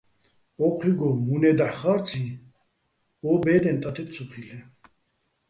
ო́ჴუჲგო, უ̂ნე́ დაჰ̦ ხა́რციჼ, ო ბე́დეჼ ტათებ ცო ხილ'ეჼ.